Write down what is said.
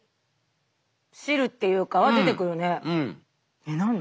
えっ何で？